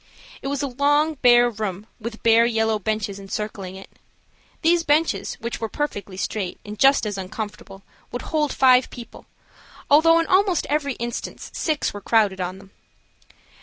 It was a long, bare room, with bare yellow benches encircling it. These benches, which were perfectly straight, and just as uncomfortable, would hold five people, although in almost every instance six were crowded on them.